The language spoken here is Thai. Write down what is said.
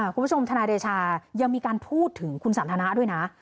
ทนายเดชายังมีการพูดถึงคุณสันทนาด้วยนะ